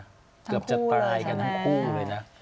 งั้นห่วงจะตายทั้งคู่เลยนะ